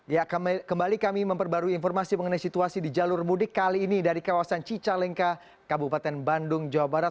ya kembali kami memperbarui informasi mengenai situasi di jalur mudik kali ini dari kawasan cicalengka kabupaten bandung jawa barat